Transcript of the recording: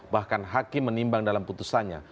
bahkan hakim menimbang dalam putusannya